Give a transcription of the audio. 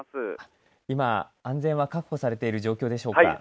今、安全は確保されている状況でしょうか。